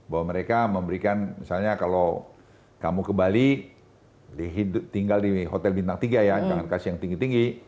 bahwa mereka memberikan misalnya kalau kamu ke bali tinggal di hotel bintang tiga ya jangan kasih yang tinggi tinggi